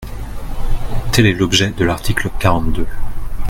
Tel est l’objet de l’article quarante-deux.